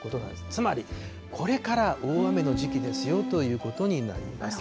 つまりこれから大雨の時期ですよということになります。